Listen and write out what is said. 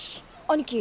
兄貴